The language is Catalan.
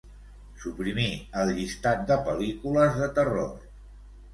Suprimir el llistat de pel·lícules de terror.